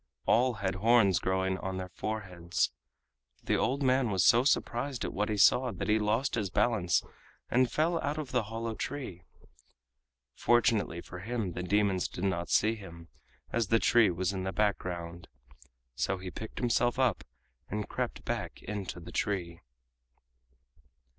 All had horns growing on their foreheads. The old man was so surprised at what he saw that he lost his balance and fell out of the hollow tree. Fortunately for him the demons did not see him, as the tree was in the background. So he picked himself up and crept back into the tree.